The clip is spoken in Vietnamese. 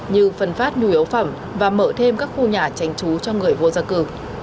như phần phát nhu yếu phẩm và mở thêm các khu nhà tránh trú cho người vô gia cử